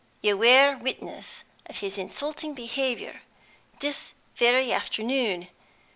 You were witness of his insulting behaviour this very afternoon.